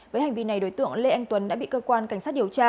với hành vi này đối tượng lê anh tuấn đã bị cơ quan cảnh sát điều tra